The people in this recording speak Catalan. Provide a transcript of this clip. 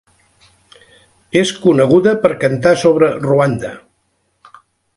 És coneguda per cantar sobre Ruanda.